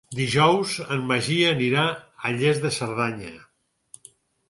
Dijous en Magí anirà a Lles de Cerdanya.